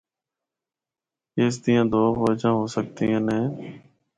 اس دیاں دو وجہاں ہو سکدیاں نیں۔